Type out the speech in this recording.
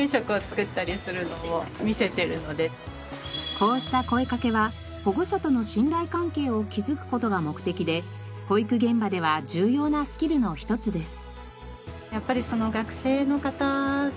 こうした声かけは保護者との信頼関係を築く事が目的で保育現場では重要なスキルの一つです。